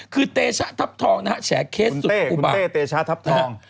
คือเต๋ชะทัพทองนะฮะแสงเคสสุดคุณเต๋เต้เต๋ชะทัพทอง